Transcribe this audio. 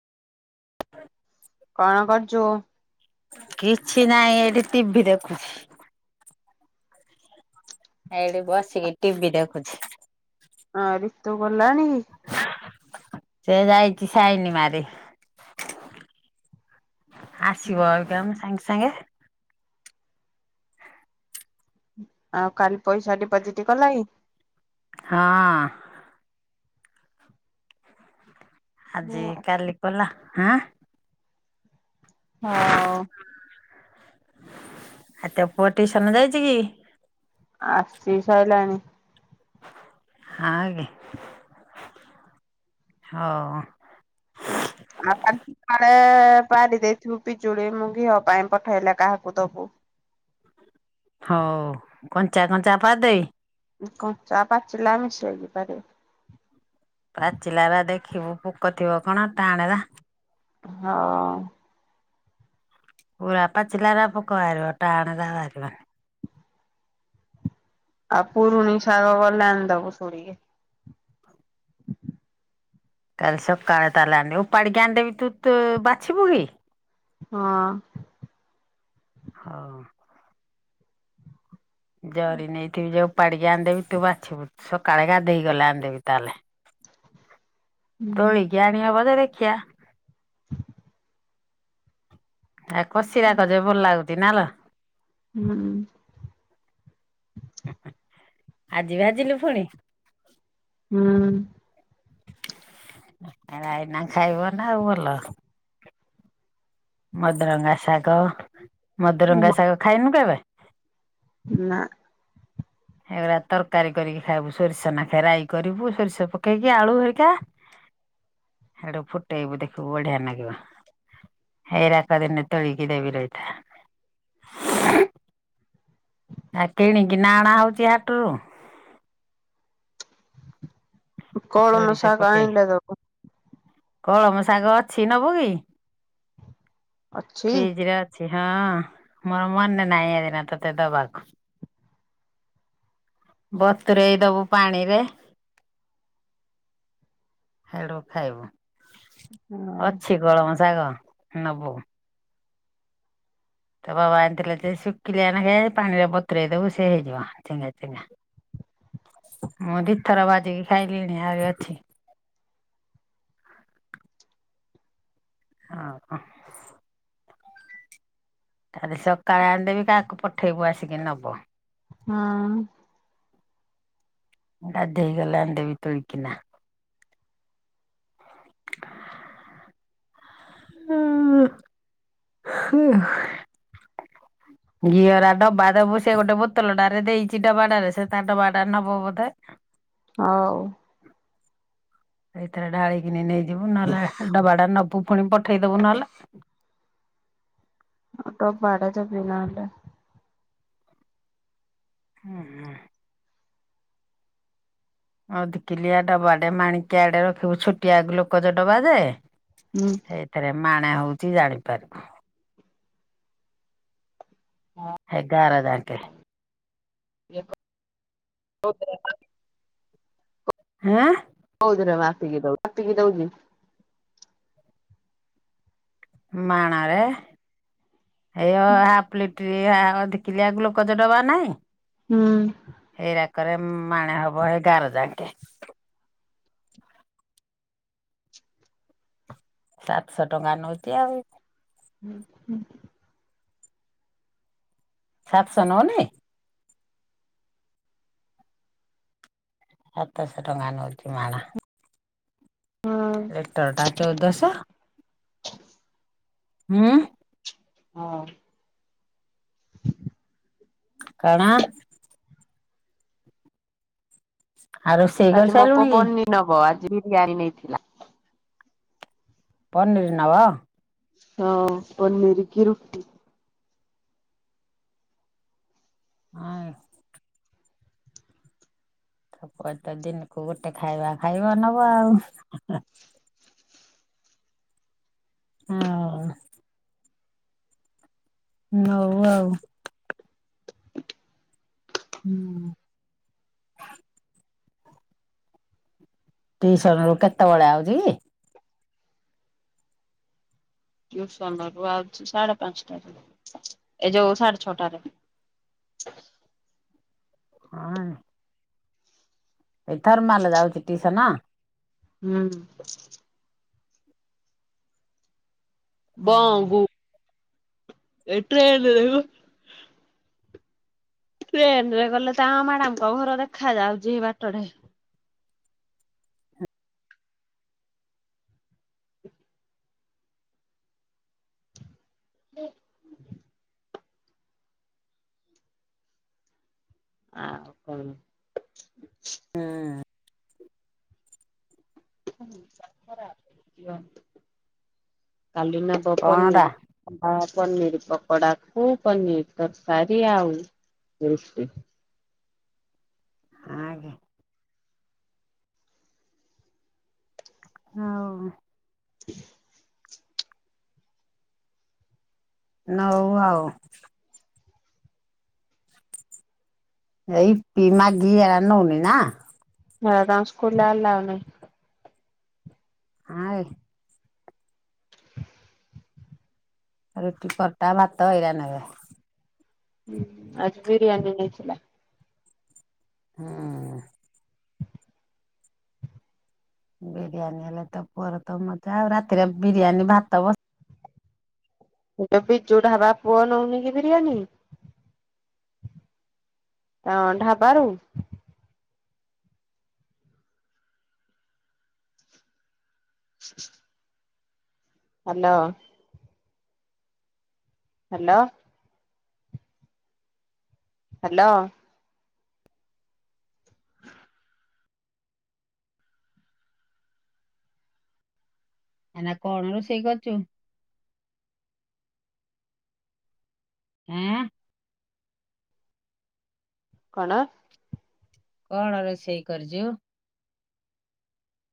କଣ କରଛୁ? କିଛି ନାହିଁ ଏଇଠି ଟିଭିି ଦେଖୁଛି। ଏଠି ବସିକି ଟିଭି ଦେଖୁଛି। ହଁ ରିତୁ ଗଲାଣି। ସେ ଯାଇଛି ସାଇନୀ ମାରି। ଆସିବ ଅବିକା ମ ସାଙ୍ଗେ ସାଙ୍ଗେ। ଆଉ କାଲି ପଇସା ଡିପୋଜିଟ କଲାଇଁ। ହଁ। ଆଜି କାଲି କଲା ହାଁ। ହ। ଆଉ ତୋ ପୁଅ ଟିଇସନ ଯାଇଚି କି? ଆସି ସାଇଲାଣି। ଆ ଗେ। ହଉ। ହେ ପାରି ଦେଇଥିବୁ ପିଜୁଳି ମୁଁ ଘିଅ ପାଇଁ ପଠେଇଲେ କାହାକୁ ଦବୁ। ହଉ କଞ୍ଚା କଞ୍ଚା ପାରି ଦେବି। କଞ୍ଚା ପାଚିଲା ମିଶେଇ କି ପାରିବୁ। ପାଚିଲା ରା ଦେଖିବୁ ପୋକ ଥିବ କଣ ଟାଣେ ରା। ହଁ। ପୁୁରା ପାଚିଲାରା ପୋକ ବାହାରିବ ଟାଣେ ରା ବାହାରିବନି। ଆଉ ପୁରୁଣି ଶାଗ ଗଲେ ଆଣିଦବୁ ତୁଳି କି। କାଲି ସକାଳେ ତାହେଲେ ଆଣିଦେବି ଉପାଡିିକି ଆଣିଦେବି ତୁ ତୁ ବାଛିବୁ କି? ହଁ। ହଉ। ଜରି ନେଇଥିବି ଯେ ଉପାଡିକି ଆଣିଦେବି ତୁ ବାଛିବୁ ସକାଳେ ଗାଧେଇ ଗଲେ ଆଣିଦେବି ତାହେଲେ। ତୋଳି ହୁଁ କି ଆଣିବହବ ଯେ ଦେଖିଆ। ଏରା କଷିରା କ ଯେ ଭଲ ଲାଗୁଚି ନା ଲୋ। ହୁଁ। ଆଜି ଭାଜିଲୁ ଫୁଣି। ହୁଁ। ହେରା ଏଇନା ଖାଇବ ନା ଆଉ ଭଲ। ମଦରଙ୍ଗା ଶାଗ ମଦରଙ୍ଗା ଶାଗ ଖାଇନୁ କେବେ? ନା। ହେଗୁରା ତରକାରୀ କରିକି ଖାଇବୁ ସୋରିଷ ନାଖେ ରାଇ କରିବୁ ସୋରିଷ ପକେଇକି ଆଳୁ ହେରିକା। ହେଡୁ ଫୁଟେଇବୁ ଦେଖିବୁ ବଢିଆ ନାଗିବ। ହେଇରାକ ଦିନେ ତୋଳିିକି ଦେବି ରହିଥା। ହେ କିଣିକିନା ଆଣା ହଉଚି ହାଟରୁ। କଳମ ସୋରିଷ ଶାଗ ପକେଇ ଆଣିିଲ ଦବୁ। କଳମ ଶାଗ ଅଛି ନବୁ କି ଅଛି ଫ୍ରିଜ୍ ରେ ଅଛି। ହଁ ମୋର ମନେ ନାହିଁ ଏଗରା ତତେ ଦବାକୁ। ବତୁରେଇ ଦବୁ ପାଣିରେ। ହେଡୁ ଖାଇବୁ। ଅଛି କଳମ ଶାଗ ନବୁ। ତୋ ବାବା ଆଣିଥିଲେ ଯେ ଶୁଖିଲିଆ ନେଖେ ପାଣିରେ ବତୁରେଇ ଦବୁ ସେ ହେଇଯିବ ଚେଙ୍ଗା ଚେଙ୍ଗା। ମୁଁ ଦି ଥର ଭାଜିକି ଖାଇଲିଣି ଆହୁରି ଅଛି। ଆଉ କଁ। କାଲି ସକାଳେ ଆଣିଦେବି କାଆକୁ ପଠେଇବୁ ଆସିକି ନବ। ହୁଁ। ମୁଁ ଗାଧେଇ ଗଲେ ଆଣିଦେବି ତୋଳିକିନା। [inaudible] ଘିଅରା ଡବା ଦବୁ ସେ ଗୋଟେ ବୋତଲଟାରେ ଦେଇଚି ଡବାଟାରେ ସେ ତା ଡବାଟା ନବ ବୋଧେ ହଉ। ଏଇଥିରେ ଢାଳିକିନି ନେଇଯିବୁ ନହେଲେ ଡବାଟା ନବୁ ପୁଣି ପଠେଇ ଦବୁ ନହେଲେ। ଆ ଡ଼ବାଟା ଜେବି ନ ହେହେଲେ ହୁଁ। ଅଧକିଲିଆ ଡବାଟେ ମାଣିକାଆଟେ ରଖିବୁ ଛୋଟିଆ ଗ୍ଲୁକୋଜ ଡବା ଯେ ହୁଁ। ହେଇଥିରେ ମାଣେ ହଉଚି ଜାଣିପାରିବୁ ହେଇ ଗାର ଯାଙ୍କେ- ୟେ କ ଥିରେ ଯେ? ହେଁ? କୋଉଥିରେ ମାପିକିଦଉଚି ମାପିକିଦଉଚି? ମାଣରେ ଏ ଅ ଆପ୍ଲିପ- - ଟ୍ରିଆ ଦିିକିଲିଆ ଗ୍ଲୁକୋଜଡବା ନାଇଁ? ହୁଁ। କରେ ମାଣେ ହବ ଏ ଗାର ଯାକେଁ ସାତଶହ ଟଙ୍କା ନଉଚି ଆଉ। ହୁଁ ହୁଁ। ସାତଶହ ନଉ ନି? ସାତଶହ ଟଙ୍କା ନଉଚି ମାଣ। ହଁ ଲିଟର ଟା ଚଉଦଶ ହୁଁ। ହୋଉ। କଣ? ଆଉ ରୋଷେଇ କାଲି ମୋ ପୁଅ କରିସାରିଲୁଣି କି ପନିର୍ ନବ ଆଜି ବିରିୟାନୀ ନେଇଥିଲା। ପନିର୍ ନବ? ହଁ ପନିର୍ କି ରୁଟି। ହଁ କି। ତୋ ପୁଅ ତ ଦିନକୁ ଗୋଟେ ଖାଇବା ଖାଇବ ନବ ଆଉ। ହୋଉ। ନଉ ଆଉ ହୁଁ। ଟିଉସନରୁ କେତେବେଳେ ଆଉଚି କି? ଟ୍ଯୁସନ ରୁ ଆଉଚି ସାଢେ ପାଞ୍ଚଟାରେ ଏ ଯୋଉ ସାଢେ ଛଅଟାରେ। [inaudible] ହଁ ନେ ଏଇ ଥରମାଲ ଯାଉଚି ଟିଉସନ? ହୁଁ। ବୋଉ କୁ ହୁଁ ଏଇ ଟ୍ରେନ ରେ ଗଲୁ ଟ୍ରେନରେ ଗଲେ ତାଙ୍କ ମ୍ୟାଡାମଙ୍କ ଘର ଦେଖା ଯାଉଚି ବାଟଠେ। ହୁଁ ଆଉ କଣ [inaudible] କାଲି ନବ କଣଟା ପନିରି ଭା ପନିର ପକୋଡା କୁ ପନିର ତରକାରୀ ଆଉ ରୁଟି। ଆଜ୍ଞା ଆଉ [inaudible] ନଉ ଆଉ। ଏଇ ହେରା ନଉନି ନା [unintelligible] ହେରା ତାଙ୍କ ସ୍କୁଲରେ ଆଲାୱ ନାଇଁ। ଆଇ। ରୁଟି, ପରଟା, ଭାତ ଏଇରା ନେବେ। ହୁଁ ଆଜି ବିରିୟାନି ନେଇଥିଲା। ହଁ। ବିରିୟାନୀ ହେଲେ ତ ପୁଅର ତ ମଜା ଆଉ। ରାତିରେ ବିରିୟାନୀ ଭାତ ବସି ସେ ଯୋଉ ବିଜୁ ଢାବା ପୁଅ ନଉନି କି ବିରିୟାନୀ। ତାଙ୍କ ଢ଼ାବାରୁ। [unintelligible] ହାଲୋ। ହ୍ୟାଲୋ। ହାଲୋ। ଏଇନା କଣ ରୋଷେଇ କରୁଛୁ? ଅଁ। କଣ? କଣ ରୋଷେଇ କରିଛୁ?